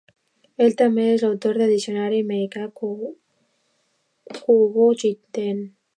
Ell també és l'autor del diccionari "Meikai Kokugo Jiten".